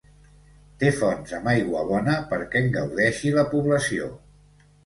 Té fonts amb aigua bona perquè en gaudeixi la població.